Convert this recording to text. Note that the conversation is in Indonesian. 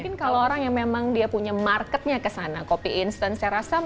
mungkin kalau orang yang memang dia punya marketnya ke sana kopi instant saya rasa